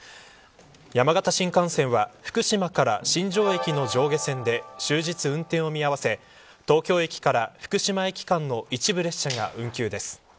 山形新幹線は福島から新庄駅の上下線で終日、運転を見合わせ東京駅から福島駅間の一部列車が運休です。